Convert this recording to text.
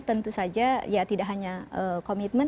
tentu saja ya tidak hanya komitmen